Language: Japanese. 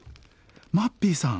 マッピーさん！